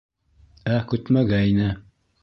Ә көтмәгәйне.